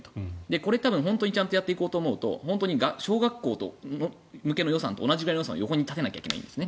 これ、本当にちゃんとやっていこうと思うと小学校向けの予算と同じぐらいの予算を横に立てないといけないんですね。